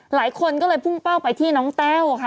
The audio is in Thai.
หลายคนก็เลยพุ่งเป้าไปที่น้องแต้วค่ะ